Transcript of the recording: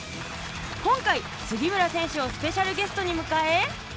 今回杉村選手をスペシャルゲストにむかえ。